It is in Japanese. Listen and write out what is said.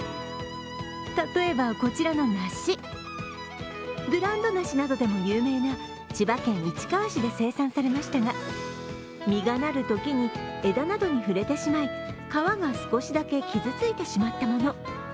例えばこちらの梨、ブランド梨などでも有名な千葉県市川市で生産されましたが実がなるときに枝などに触れてしまい皮が少しだけ傷ついてしまったもの。